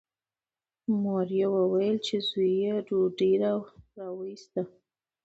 مور یې وویل چې زوی یې ډوډۍ راوایسته.